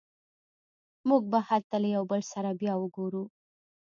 موږ به هلته له یو بل سره بیا وګورو